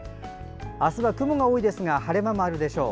明日は雲が多いですが晴れ間もあるでしょう。